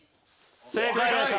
正解です。